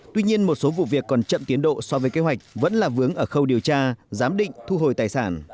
tuy nhiên một số vụ việc còn chậm tiến độ so với kế hoạch vẫn là vướng ở khâu điều tra giám định thu hồi tài sản